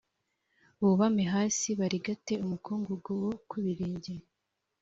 bubame hasi barigate umukungugu wo ku birenge